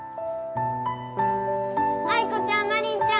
アイコちゃんマリンちゃん！